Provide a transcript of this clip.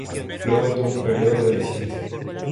Luego tuvo un período de lesiones.